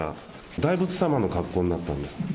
大仏様の格好になったんです。